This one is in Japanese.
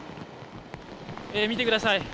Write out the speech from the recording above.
見てください